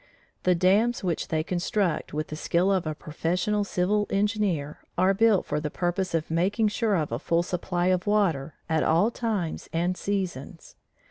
The dams which they construct with the skill of a professional civil engineer, are built for the purpose of making sure of a full supply of water at all times and seasons.